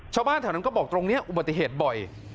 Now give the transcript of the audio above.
ถ้าบอกตรงนี้อุบัติเหตุบ่อย